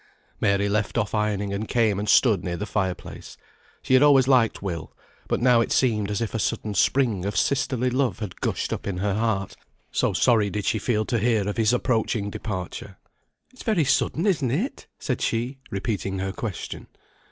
Mary left off ironing, and came and stood near the fire place. She had always liked Will; but now it seemed as if a sudden spring of sisterly love had gushed up in her heart, so sorry did she feel to hear of his approaching departure. "It's very sudden, isn't it?" said she, repeating her question.